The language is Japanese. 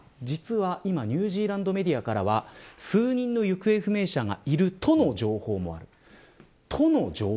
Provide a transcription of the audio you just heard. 実はニュージーランドメディアから数人の行方不明者がいるとの情報もある。